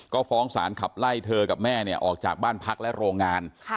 ก็ฟ้องสารขับไล่เธอกับแม่เนี่ยออกจากบ้านพักและโรงงาน